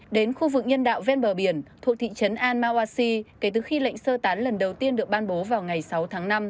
đến khu vực nhân đạo ven bờ biển thuộc thị trấn al mawasi kể từ khi lệnh sơ tán lần đầu tiên được ban bố vào ngày sáu tháng năm